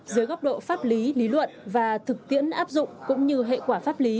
dưới góc độ pháp lý lý luận và thực tiễn áp dụng cũng như hệ quả pháp lý